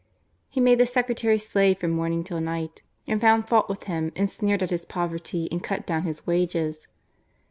He made the secretary slave from morning till night and found fault with him and sneered at his poverty and cut down his wages.